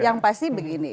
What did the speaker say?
yang pasti begini